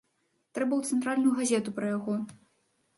Трэба ў цэнтральную газету пра яго.